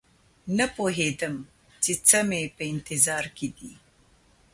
نه پوهېدم چې څه مې په انتظار کې دي